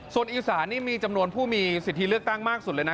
ส่วนอีสานนี่มีจำนวนผู้มีสิทธิเลือกตั้งมากสุดเลยนะ